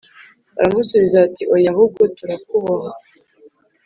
Baramusubiza bati Oya ahubwo turakuboha